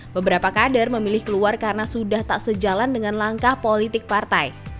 beberapa kader memilih keluar karena sudah tak sejalan dengan langkah politik partai